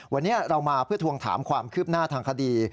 วันนี้เรามาเพื่อทวงถามความคืบหน้าทางคดี